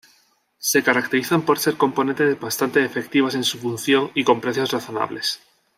Se caracterizan por ser componentes bastante efectivos en su función y con precios razonables.